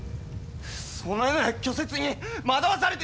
そのような虚説に惑わされてどうする！